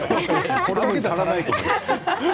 多分、足らないと思います。